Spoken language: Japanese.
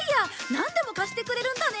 なんでも貸してくれるんだね！